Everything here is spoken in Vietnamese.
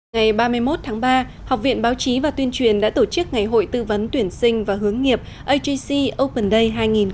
ngày ba mươi một tháng ba học viện báo chí và tuyên truyền đã tổ chức ngày hội tư vấn tuyển sinh và hướng nghiệp agc open day hai nghìn một mươi chín